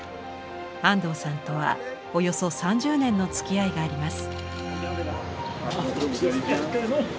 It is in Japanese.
安藤さんとはおよそ３０年のつきあいがあります。